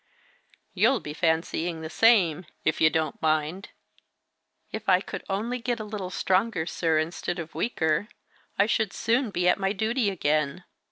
You'll be fancying the same, if you don't mind!" "If I could only get a little stronger, sir, instead of weaker, I should soon be at my duty again.